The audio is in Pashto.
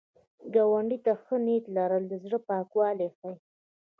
ګاونډي ته ښه نیت لرل، د زړه پاکوالی ښيي